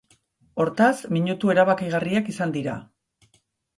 Hortaz, minutu erabakigarriak izan dira.